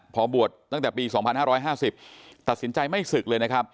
พอบวชตั้งแต่ปี๒๕๕๐ตัดสินใจไม่ศึกเลยนะครับ